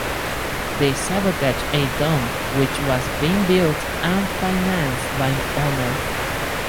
They sabotage a dome which was being built and financed by Honor.